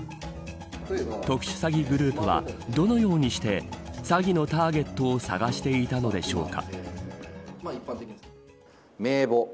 特殊詐欺グループはどのようにして詐欺のターゲットを探していたのでしょうか。